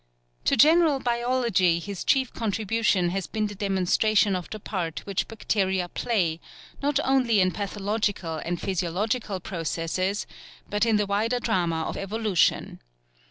To general biology his chief contribution has been the demonstration of the part which bacteria play, not only in pathological and physiological processes, but in the wider drama of evolution.